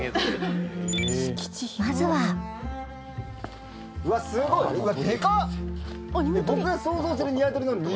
まずはうわすごい！うわ。